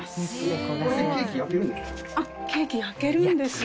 これでケーキ焼けるんですか？